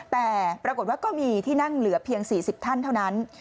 แต่ปรากฏว่าก็มีที่นั่งเหลือเพียง๔๐ท่านเท่านั้น